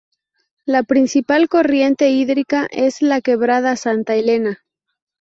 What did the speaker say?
La principal corriente hídrica es la Quebrada Santa Elena.